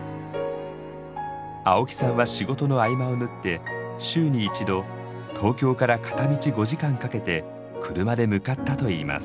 青木さんは仕事の合間を縫って週に１度東京から片道５時間かけて車で向かったといいます。